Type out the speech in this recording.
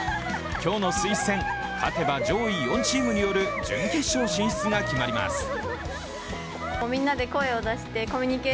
今日のスイス戦、勝てば上位４チームによる準決勝進出が決まります。